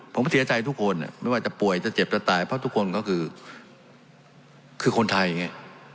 ผมเสียใจทุกคนไม่ว่าจะป่วยจะเจ็บจะตายเพราะทุกคนก็คือคนไทยไง